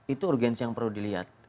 itu urgensi yang perlu dilihat